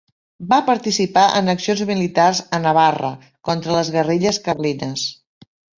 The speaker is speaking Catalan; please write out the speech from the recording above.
Va participar en accions militars a Navarra contra les guerrilles carlines.